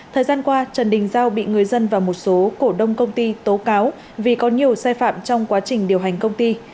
thời gian qua trần đình giao bị người dân và một số cổ đông công ty tố cáo vì có nhiều sai phạm trong quá trình điều hành công ty